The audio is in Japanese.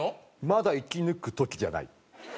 まだ息抜く時じゃない。